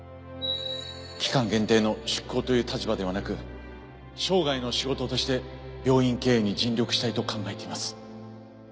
期間限定の出向という立場ではなく生涯の仕事として病院経営に尽力したいと考えています。